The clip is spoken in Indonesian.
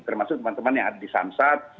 termasuk teman teman yang ada di samsat